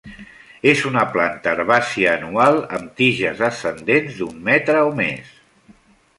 És una planta herbàcia anual amb tiges ascendents d'un metre o més.